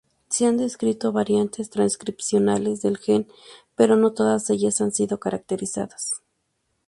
Se han descrito variantes transcripcionales del gen pero no todas ellas han sido caracterizadas.